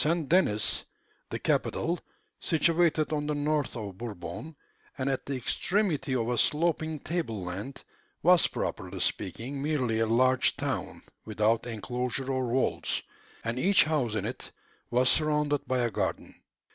St. Denis, the capital, situated on the north of Bourbon, and at the extremity of a sloping table land, was, properly speaking, merely a large town, without enclosure or walls, and each house in it was surrounded by a garden.